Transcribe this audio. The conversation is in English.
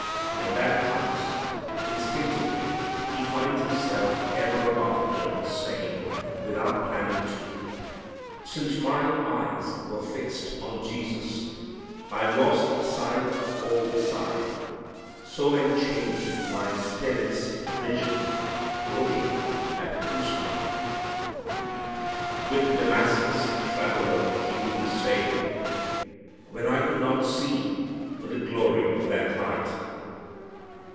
When that comes, instinctively he finds himself ever after saying, without planning to, "Since mine eyes were fixed on Jesus, I've lost sight of all beside. So enchained my spirit's vision, Looking at the Crucified." With the Damascus traveller he will be saying, "When I could not see for the glory of that light."